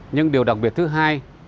nhưng điều đặc biệt thứ hai